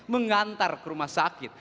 mengantar ke rumah sakit